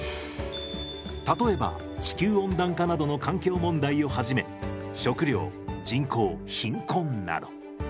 例えば地球温暖化などの環境問題をはじめ食糧人口貧困など。